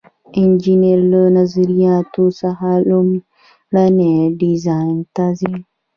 انجینر له نظریاتو څخه لومړني ډیزاین ته ځي.